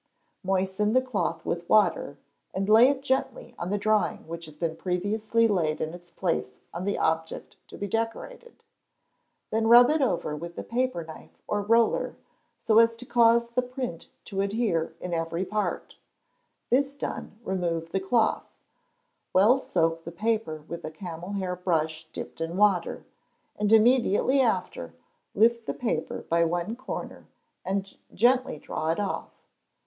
Moisten the cloth with water, and lay it gently on the drawing which has been previously laid in its place on the object to be decorated; then rub it over with the paper knife or roller, so as to cause the print to adhere in every part; this done, remove the cloth, well soak the paper with a camel hair brush dipped in water, and immediately after lift the paper by one corner, and gently draw it off.